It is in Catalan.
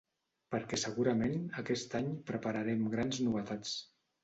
Perquè segurament aquest any prepararem grans novetats.